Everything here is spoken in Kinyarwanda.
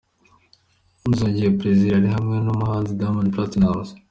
Muzogeye Plaisir yari hamwe n'umuhanzi Diamond Platnumz.